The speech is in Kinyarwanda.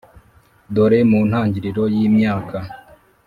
dore mu ntangiriro yimyaka,